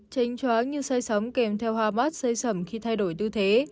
trênh tróa như say sóng kèm theo hoa mát say sầm khi thay đổi tư thế